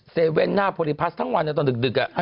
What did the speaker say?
เว่นหน้าโพลิพัสทั้งวันตอนดึก